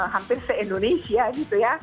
hampir se indonesia gitu ya